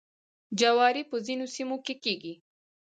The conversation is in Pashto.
جواری په ځینو سیمو کې کیږي.